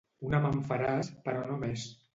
Una me'n faràs, però no més.